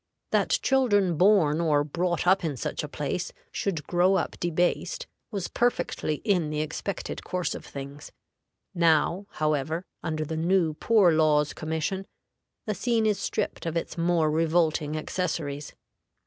That children born or brought up in such a place should grow up debased was perfectly in the expected course of things. Now, however, under the new Poor Laws Commission, the scene is stripped of its more revolting accessories.